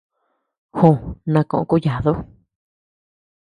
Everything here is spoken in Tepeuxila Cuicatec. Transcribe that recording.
Ju, na koʼo kuyadu.